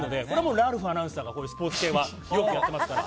ラルフアナウンサーがスポーツ系はよくやってますから。